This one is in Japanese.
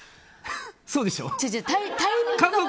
そうでしょ？